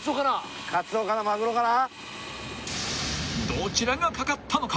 ［どちらが掛かったのか］